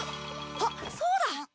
あっそうだ！